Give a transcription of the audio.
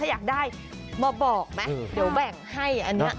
มาบอกไหมเดี๋ยวแบ่งให้อันนี้